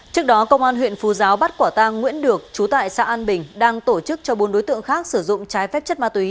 trước đó công an huyện phú giáo bắt quả tang nguyễn được trú tại xã an bình đang tổ chức cho bốn đối tượng khác sử dụng trái phép chất ma túy